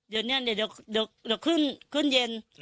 เดี๋ยวนี้เดี๋ยวขึ้นเย็น